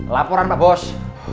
laporan pak bos